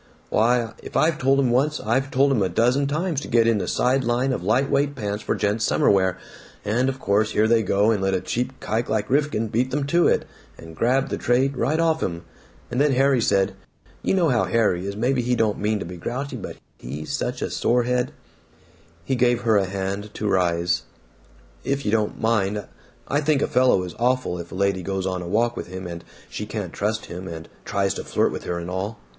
... "Why, if I've told 'em once, I've told 'em a dozen times to get in a side line of light weight pants for gents' summer wear, and of course here they go and let a cheap kike like Rifkin beat them to it and grab the trade right off 'em, and then Harry said you know how Harry is, maybe he don't mean to be grouchy, but he's such a sore head " He gave her a hand to rise. "If you don't MIND. I think a fellow is awful if a lady goes on a walk with him and she can't trust him and he tries to flirt with her and all."